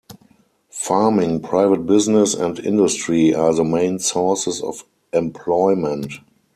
Farming, private business and industry are the main sources of employment.